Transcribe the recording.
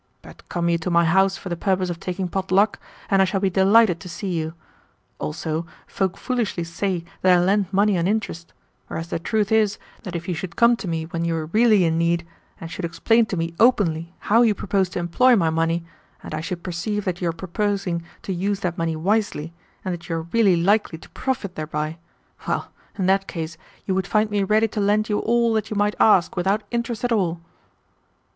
But come you to my house for the purpose of taking pot luck, and I shall be delighted to see you. Also, folk foolishly say that I lend money on interest; whereas the truth is that if you should come to me when you are really in need, and should explain to me openly how you propose to employ my money, and I should perceive that you are purposing to use that money wisely, and that you are really likely to profit thereby well, in that case you would find me ready to lend you all that you might ask without interest at all."